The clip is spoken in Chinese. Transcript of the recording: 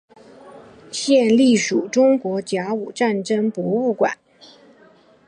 现隶属中国甲午战争博物馆。